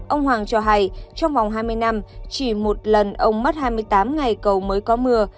ông hoàng cho hay trong vòng hai mươi năm chỉ một lần ông mất hai mươi tám ngày cầu mới có mưa